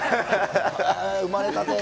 生まれたて。